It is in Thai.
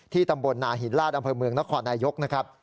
ตำบลนาหินลาดอำเภอเมืองนครนายกนะครับ